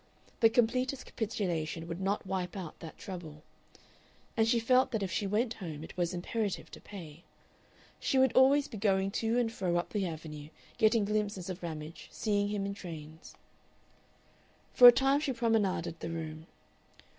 The completest capitulation would not wipe out that trouble. And she felt that if she went home it was imperative to pay. She would always be going to and fro up the Avenue, getting glimpses of Ramage, seeing him in trains.... For a time she promenaded the room.